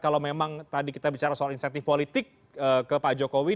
kalau memang tadi kita bicara soal insentif politik ke pak jokowi